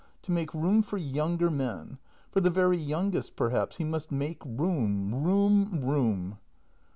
To make room for younger men! For the very youngest, perhaps! He must make room! Room!